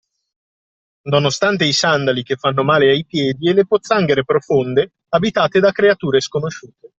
Nonostante i sandali che fanno male ai piedi e le pozzanghere profonde abitate da creature sconosciute.